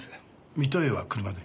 水戸へは車で？